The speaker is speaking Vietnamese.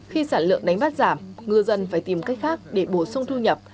khi sản lượng đánh bắt giảm ngư dân phải tìm cách khác để bổ sung thu nhập